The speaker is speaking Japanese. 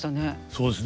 そうですね。